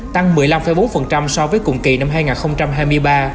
tăng một mươi năm bốn so với cùng kỳ năm hai nghìn hai mươi ba